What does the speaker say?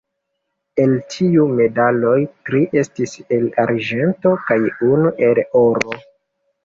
El tiuj medaloj tri estis el arĝento kaj unu el oro.